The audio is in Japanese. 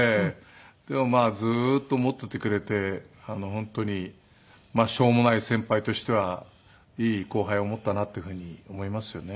でもずっと持っていてくれて本当にしょうもない先輩としてはいい後輩を持ったなっていうふうに思いますよね。